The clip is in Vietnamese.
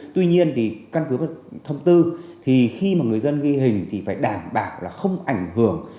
tuy nhiên căn cứ thông tư khi người dân ghi hình thì phải đảm bảo là không ảnh hưởng